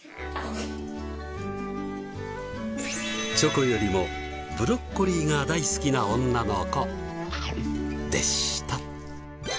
チョコよりもブロッコリーが大好きな女の子でした。